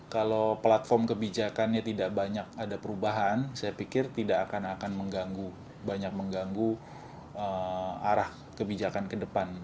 kalau platform kebijakannya tidak banyak ada perubahan saya pikir tidak akan mengganggu banyak mengganggu arah kebijakan ke depan